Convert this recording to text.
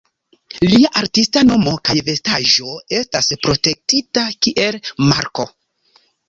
Lia artista nomo kaj vestaĵo estas protektita kiel marko.